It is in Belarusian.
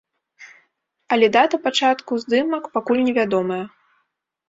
Але дата пачатку здымак пакуль не вядомая.